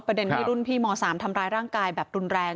ประเด็นที่รุ่นพี่ม๓ทำร้ายร่างกายแบบรุนแรง